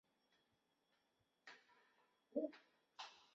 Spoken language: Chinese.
巴特崇拜的起源可能能追溯到旧石器时代晚期埃及地区的牧牛传统。